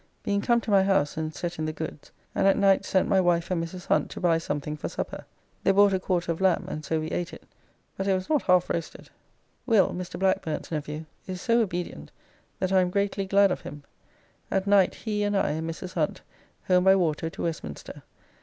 Being come to my house and set in the goods, and at night sent my wife and Mrs. Hunt to buy something for supper; they bought a Quarter of Lamb, and so we ate it, but it was not half roasted. Will, Mr. Blackburne's nephew, is so obedient, that I am greatly glad of him. At night he and I and Mrs. Hunt home by water to Westminster.